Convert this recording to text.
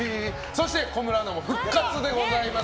そして小室アナ復活でございます。